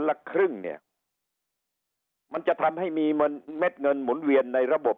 ละครึ่งเนี่ยมันจะทำให้มีเงินเม็ดเงินหมุนเวียนในระบบ